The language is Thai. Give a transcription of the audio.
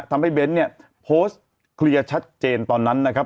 เบ้นเนี่ยโพสต์เคลียร์ชัดเจนตอนนั้นนะครับ